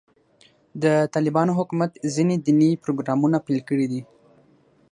د طالبانو حکومت ځینې دیني پروګرامونه پیل کړي دي.